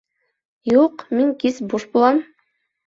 Юҡ, мин кис буш булам.